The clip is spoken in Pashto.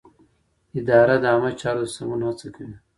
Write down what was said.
اداره د عامه چارو د سمون هڅه کوي.